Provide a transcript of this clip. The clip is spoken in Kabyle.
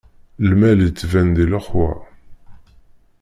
Lmal ittban di lexwa.